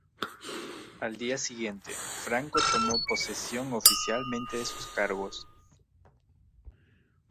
Al día siguiente, Franco tomó posesión oficialmente de sus cargos.